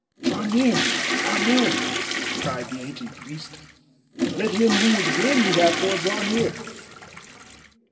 "Draw near! Draw near!" cried the ancient priest. "Let him who would win the Hathor draw near!"